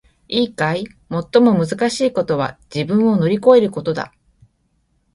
いいかい！最もむずかしいことは自分を乗り越えることだ！